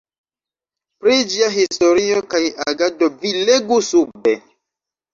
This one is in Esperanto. Pri ĝia historio kaj agado vi legu sube.